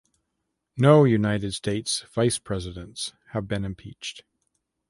No United States vice presidents have been impeached.